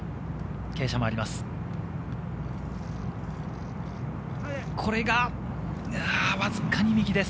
傾斜があります。